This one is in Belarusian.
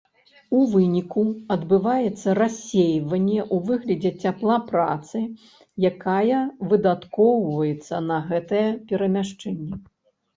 У выніку адбываецца рассейванне ў выглядзе цяпла працы, якая выдаткоўваецца на гэтае перамяшчэнне.